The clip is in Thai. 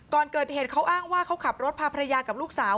ก่อนเกิดเหตุเขาอ้างว่าเขาขับรถพาภรรยากับลูกสาว